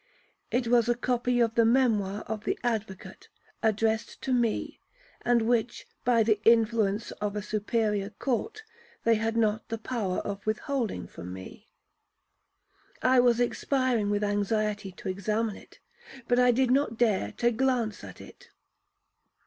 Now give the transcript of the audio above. It was a copy of the memoir of the advocate, addressed to me, and which, by the influence of a superior court, they had not the power of withholding from me. I was expiring with anxiety to examine it, but I did not dare to glance at it.